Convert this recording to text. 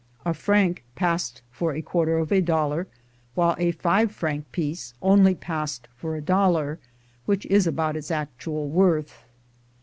A franc passed for a quarter of a dollar while a five franc piece only passed for a dollar, which is about its actual worth.